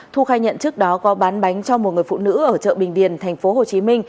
thu khai nhận trước đó có bán bánh cho một người phụ nữ ở chợ bình điền tp hcm